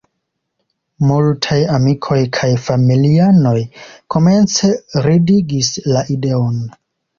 Multaj amikoj kaj familianoj komence ridigis la ideon.